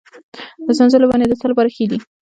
د سنځلو ونې د څه لپاره ښې دي؟